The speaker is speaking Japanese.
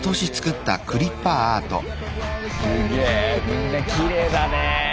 みんなきれいだねぇ。